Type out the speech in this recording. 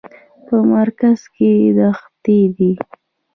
په مرکز کې دښتې دي.